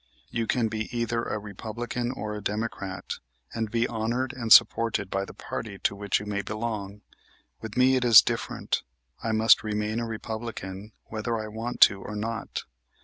You can be either a Republican or a Democrat, and be honored and supported by the party to which you may belong. With me it is different. I must remain a Republican whether I want to or not.